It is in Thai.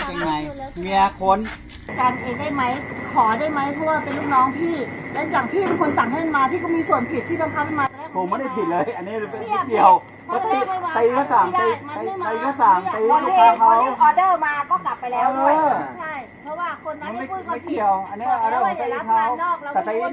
ผมให้โอกาสนะว่าเมื่อกีดผมจะปล่อย